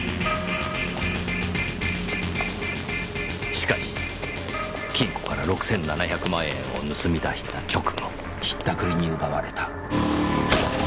しかし金庫から６７００万円を盗み出した直後引ったくりに奪われた。